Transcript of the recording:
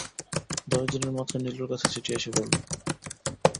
দশ দিনের মাথায় নীলুর কাছে চিঠি এসে পড়ল।